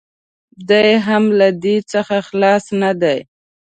دی هم له دې څخه خلاص نه دی.